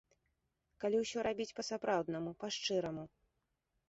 Калі ўсё рабіць па-сапраўднаму, па шчыраму.